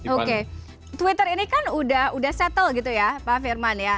oke twitter ini kan udah settle gitu ya pak firman ya